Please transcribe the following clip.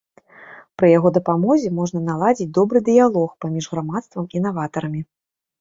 Пры яго дапамозе можна наладзіць добры дыялог паміж грамадствам і наватарамі.